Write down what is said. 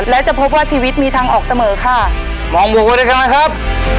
และจะพบว่าชีวิตมีทางออกเสมอค่ะมองหมูไว้ด้วยกันนะครับ